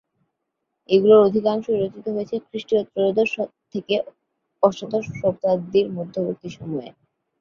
এগুলির অধিকাংশই রচিত হয়েছে খ্রিষ্টীয় ত্রয়োদশ থেকে অষ্টাদশ শতাব্দীর মধ্যবর্তী সময়ে।